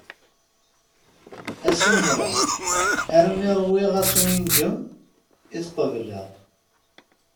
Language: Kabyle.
Assumer-a, armi ṛwiɣ aswingem i t-qebeleɣ.